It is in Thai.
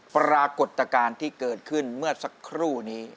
ปรากฏการณ์ที่เกิดขึ้นเมื่อสักครู่นี้